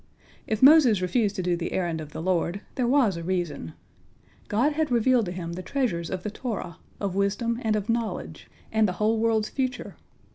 " If Moses refused to do the errand of the Lord, there was a reason. God had revealed to him the treasures of the Torah, of wisdom, and of knowledge, and the whole world's future.